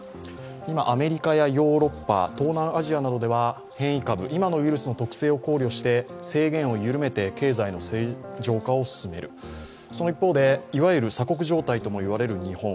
今、アメリカやヨーロッパ東南アジアなどでは変異株、今のウイルスの特性を考慮して、制限を緩めて経済の正常化を進めるその一方でいわゆる鎖国状態ともいわれる日本